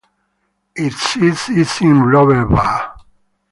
Its seat is in Roberval.